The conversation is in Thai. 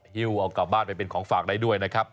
ฮิ้วเอากลับบ้านไปเป็นของฝากได้ด้วยนะครับ